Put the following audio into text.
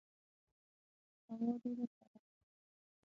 هوا ډیره سړه ده